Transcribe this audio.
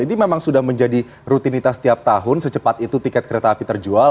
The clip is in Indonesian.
ini memang sudah menjadi rutinitas tiap tahun secepat itu tiket kereta api terjual